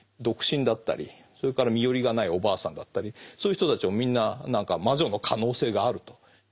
独身だったりそれから身寄りがないおばあさんだったりそういう人たちをみんな何か魔女の可能性があると。